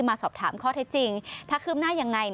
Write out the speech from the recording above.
มาสอบถามข้อเท็จจริงถ้าคืบหน้ายังไง